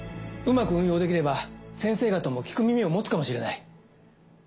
うまく運用できれば先生方も聞く耳を持つかもしれない。